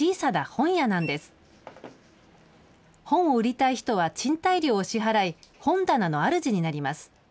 本を売りたい人は賃貸料を支払い、本棚のあるじになります。